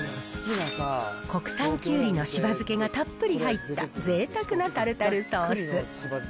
国産きゅうりのしば漬がたっぷり入ったぜいたくなタルタルソース。